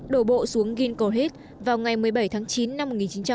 đổ bộ xuống ginkgo head vào ngày một mươi bảy tháng chín năm một nghìn chín trăm bốn mươi bốn